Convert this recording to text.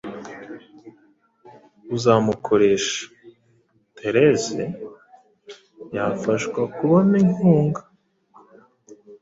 uzamukosha therese yafashwa kubona inkunga